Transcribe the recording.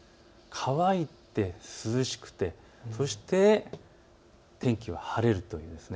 乾いて、涼しくて、そして、天気は晴れるということです。